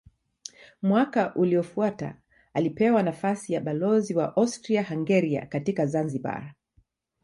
Mwaka uliofuata alipewa nafasi ya balozi wa Austria-Hungaria katika Zanzibar.